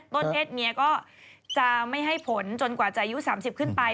เพศเมียก็จะไม่ให้ผลจนกว่าจะอายุ๓๐ขึ้นไป